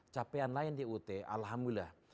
capaian lain di ut alhamdulillah